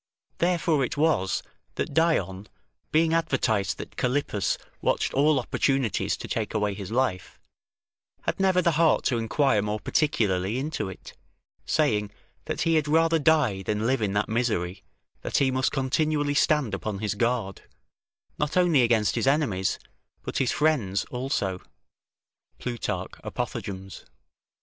Therefore it was, that Dion, being advertised that Callippus watched all opportunities to take away his life, had never the heart to inquire more particularly into it, saying, that he had rather die than live in that misery, that he must continually stand upon his guard, not only against his enemies, but his friends also; [Plutarch, Apothegms.